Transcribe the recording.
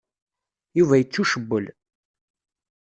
Yuba yettucewwel.